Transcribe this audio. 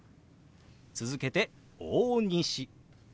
続けて「大西」。